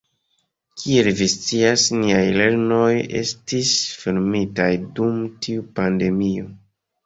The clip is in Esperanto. Kiel vi scias, niaj lernejoj estis fermitaj dum tiu pandemio.